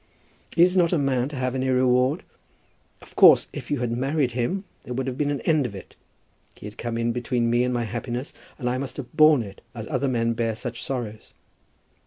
"Is not a man to have any reward? Of course if you had married him there would have been an end of it. He had come in between me and my happiness, and I must have borne it, as other men bear such sorrows.